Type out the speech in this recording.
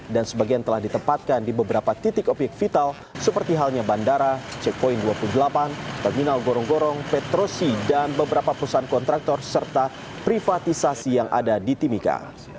dan sebagian telah ditempatkan di beberapa titik obyek vital seperti halnya bandara checkpoint dua puluh delapan terminal gorong gorong petrosi dan beberapa perusahaan kontraktor serta privatisasi yang ada di timika